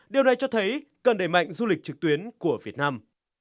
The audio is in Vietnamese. điều này cho thấy cần đẩy mạnh du lịch trực tuyến của việt nam